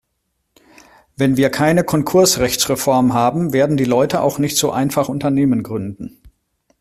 Wenn wir keine Konkursrechtsreform haben, werden die Leute auch nicht so einfach Unternehmen gründen.